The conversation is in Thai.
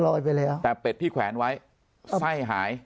ไปแล้วแต่เป็ดที่แขวนไว้ไส้หาย